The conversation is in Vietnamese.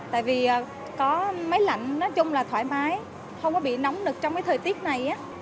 tại vì có máy lạnh nói chung là thoải mái không có bị nóng được trong cái thời tiết này